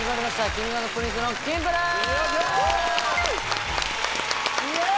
Ｋｉｎｇ＆Ｐｒｉｎｃｅの『キンプる。』！イェイ！